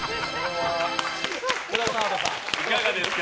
いかがですか？